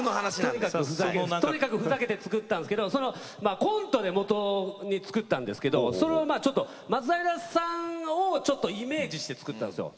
とにかくふざけて作ったんですけどコントをもとに作ったんですけどそれを松平さんをイメージして作ったんですよ。